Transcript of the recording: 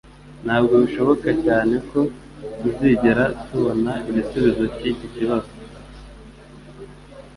Ntabwo bishoboka cyane ko tuzigera tubona igisubizo cyiki kibazo